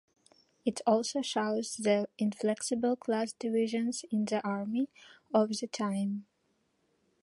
It also shows the inflexible class divisions in the army of the time.